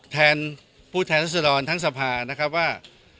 แทนผู้แทนรัศดรทั้งสภานะครับว่า